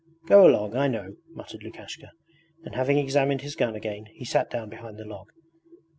'Go along; I know,' muttered Lukashka; and having examined his gun again he sat down behind the log.